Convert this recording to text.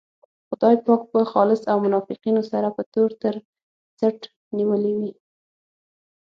خدای پاک به خالص له منافقینو سره په تور تر څټ نیولی وي.